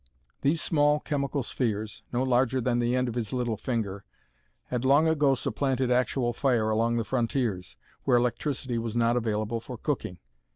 These small chemical spheres, no larger than the end of his little finger, had long ago supplanted actual fire along the frontiers, where electricity was not available for cooking.